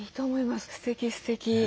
すてきすてき。